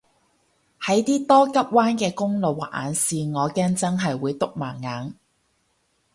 喺啲多急彎嘅公路畫眼線我驚真係會篤盲眼